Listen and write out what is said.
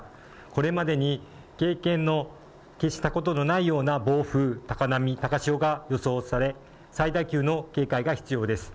これまでに経験したことのないような暴風、高波、高潮が予想され最大級の警戒が必要です。